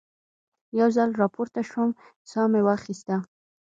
یو ځل را پورته شوم، ساه مې واخیسته.